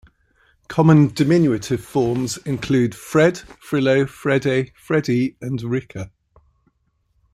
Common diminutive forms include: Fred, Frillo, Fredde, Freddy and Rikke.